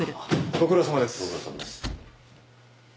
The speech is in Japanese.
ご苦労さまです。